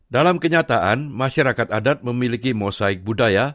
dalam kenyataan masyarakat adat memiliki mosaik budaya